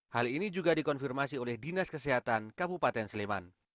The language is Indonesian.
hal ini juga dikonfirmasi oleh psu sleman